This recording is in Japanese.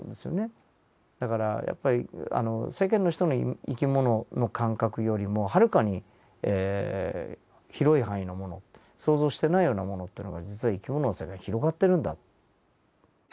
だからやっぱり世間の人の生き物の感覚よりもはるかに広い範囲のもの想像してないようなものというのが実は生き物の世界広がってるんだ。